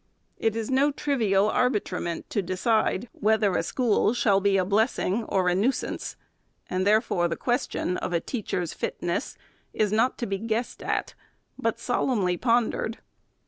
It is no trivial arbitrament to decide, whether a school shall be a bless FIRST ANNUAL REPORT. 391 ing or a nuisance, and therefore the question of a teach er's fitness is not to be guessed at, but solemnly pondered.